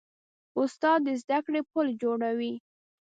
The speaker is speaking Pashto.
استاد د زدهکړې پل جوړوي.